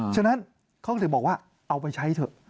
ฉะนั้นจะบอกว่าเอาไปใช้เถอะ